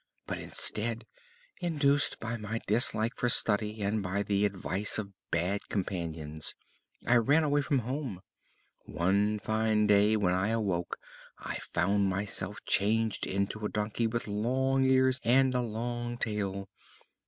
But instead, induced by my dislike for study and the advice of bad companions, I ran away from home. One fine day when I awoke I found myself changed into a donkey with long ears, and a long tail.